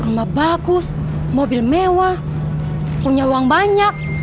rumah bagus mobil mewah punya uang banyak